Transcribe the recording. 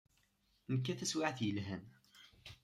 Nekka taswiɛt yelhan.